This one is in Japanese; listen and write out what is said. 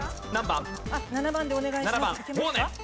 ７番でお願いします。